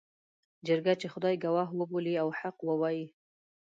جرګه چې خدای ګواه وبولي او حق ووايي.